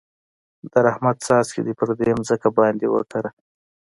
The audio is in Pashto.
د رحمت څاڅکي دې په دې ځمکه باندې وکره.